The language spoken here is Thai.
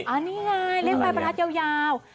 อันนี้ไงเลขบรรปฐัสยาว